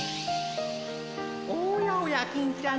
おやおや金ちゃん